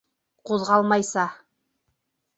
Ҡуҙғалмайса.